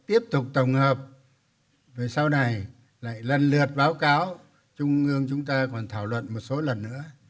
tiếp tục tổng hợp rồi sau này lại lần lượt báo cáo trung ương chúng ta còn thảo luận một số lần nữa